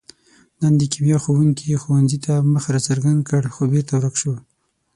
نن د کیمیا ښوونګي ښوونځي ته مخ را څرګند کړ، خو بېرته ورک شو.